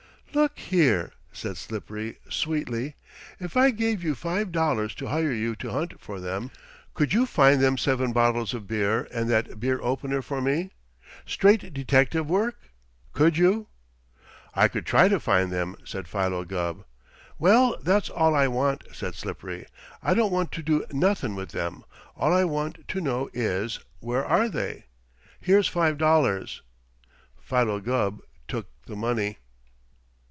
"Look here!" said Slippery sweetly. "If I gave you five dollars to hire you to hunt for them, could you find them seven bottles of beer and that beer opener, for me? Straight detective work? Could you?" "I could try to find them," said Philo Gubb. "Well, that's all I want," said Slippery. "I don't want to do nothin' with them. All I want to know is where are they? Here's five dollars." Philo Gubb took the money.